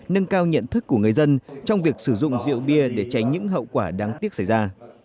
nâng cao nhận thức của người dân trong việc sử dụng rượu bia để tránh những hậu quả đáng tiếc xảy ra